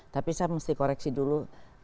tapi saya mesti koreksi dulu